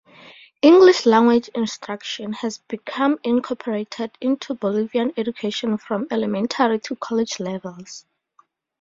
English-language instruction has become incorporated into Bolivian education from elementary to college levels.